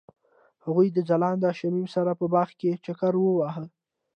هغوی د ځلانده شمیم سره په باغ کې چکر وواهه.